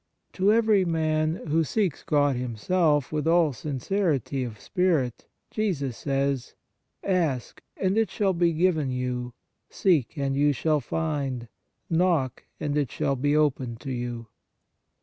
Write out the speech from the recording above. To every man who seeks God Him self with all sincerity of spirit, Jesus says :" Ask, \ and it shall be given you : seek, and you shall find : knock, and it shall be opened to you."